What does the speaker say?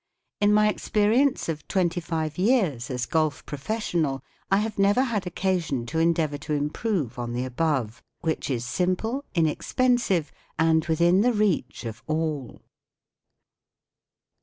In my experience of twenty five years as golf professional I have never had occasion to endeavour to improve on the above, which is simple, inexpensive, and within the reach of all.